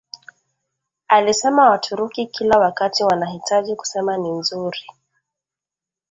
alisema Waturuki kila wakati wanahitaji kusema Ni nzuri